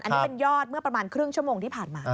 อันนี้เป็นยอดเมื่อประมาณครึ่งชั่วโมงที่ผ่านมา